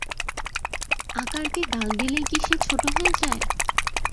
আকারকে গাল দিলেই কি সে ছোটো হয়ে যায়?